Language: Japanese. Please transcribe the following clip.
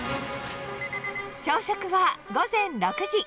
朝食は午前６時。